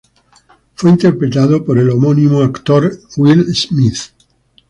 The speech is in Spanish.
Fue interpretado por el homónimo actor Will Smith.